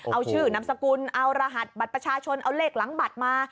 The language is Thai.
เอาชื่อนามสกุลเอารหัสบัตรประชาชนเอาเลขหลังบัตรมา